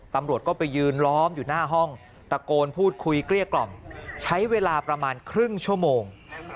ตำรวจก็ไปยืนล้อมอยู่หน้าห้องตะโกนพูดคุยเกลี้ยกล่อมใช้เวลาประมาณครึ่งชั่วโมง